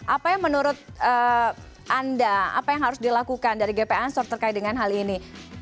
apa yang menurut anda apa yang harus dilakukan dari gp ansor terkait dengan hal ini